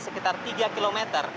sekitar tiga km